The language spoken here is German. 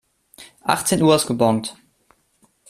Achtzehn Uhr ist gebongt.